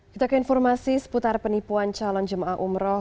kita ke informasi seputar penipuan calon jemaah umroh